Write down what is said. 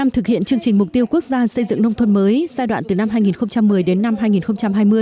sau một mươi năm thực hiện chương trình mục tiêu quốc gia xây dựng nông thuần mới giai đoạn từ năm hai nghìn một mươi đến năm hai nghìn hai mươi